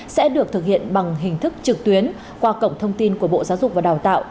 sẽ được thực hiện bằng hình thức trực tuyến qua cổng thông tin của bộ giáo dục và đào tạo